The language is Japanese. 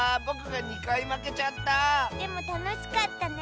でもたのしかったね。